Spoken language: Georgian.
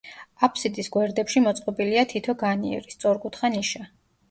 აფსიდის გვერდებში მოწყობილია თითო განიერი, სწორკუთხა ნიშა.